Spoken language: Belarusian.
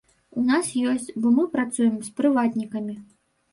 У нас ёсць, бо мы працуем з прыватнікамі.